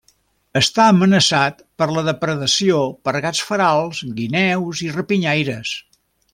Està amenaçat per la depredació per gats ferals, guineus i rapinyaires.